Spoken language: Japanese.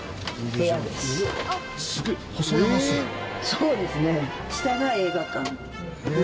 そうですね。